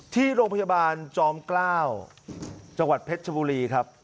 ที่โรงพยาบาลจอมเกล้าจังหวัดเพชรชบุรีครับ